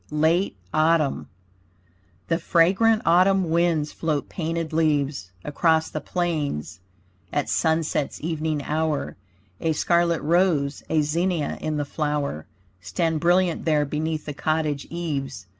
LATE AUTUMN The fragrant autumn winds float painted leaves Across the plains at sunset's evening hour, A scarlet rose, a zinnia in the flower Stand brilliant there beneath the cottage eaves.